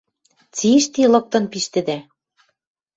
Цишти лыктын пиштӹдӓ».